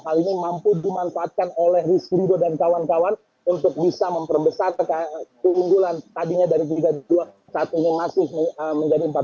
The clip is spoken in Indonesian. hal ini mampu dimanfaatkan oleh rizky rido dan kawan kawan untuk bisa memperbesar keunggulan tadinya dari liga dua saat ini masih menjadi empat belas